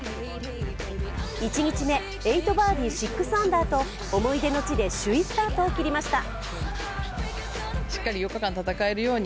１日目、８バーディー・６アンダーと思い出の地で首位スタートを切りました。